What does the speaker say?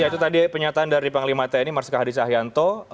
ya itu tadi penyataan dari panglima tni marsik hadi cahyanto